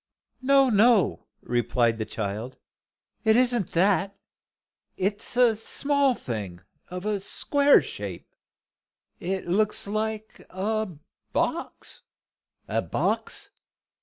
"No, no," replied the child. "It isn't that. It's a small thing of a square shape. It looks like a box." "A box?